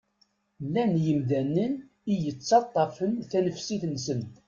Llan yimdanen i yettaṭṭafen tanefsit-nsen.